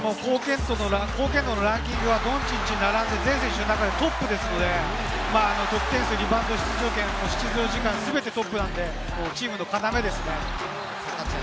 貢献度のランキングはドンチッチに並んで全選手の中でトップですので、得点数、リバウンド、出場時間、全てトップなんで、チームの要ですね。